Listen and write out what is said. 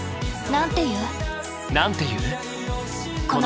なんて言う？